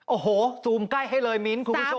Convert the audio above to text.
โอ้โหซูมใกล้ให้เลยมิ้นท์คุณผู้ชม